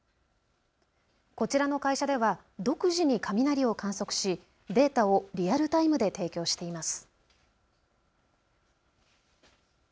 こちらの会社では独自に雷を観測しデータをリアルタイムで提供しています。